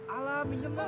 alah minum lah